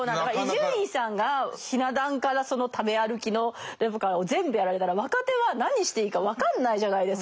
伊集院さんがひな壇からその食べ歩きのレポからを全部やられたら若手は何していいか分かんないじゃないですか。